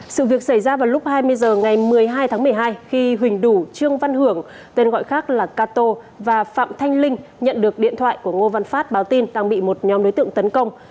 sự việc xảy ra vào lúc hai mươi h ngày một mươi hai tháng một mươi hai khi huỳnh đủ trương văn hưởng tên gọi khác là cato và phạm thanh linh nhận được điện thoại của ngô văn phát báo tin đang bị một nhóm đối tượng tấn công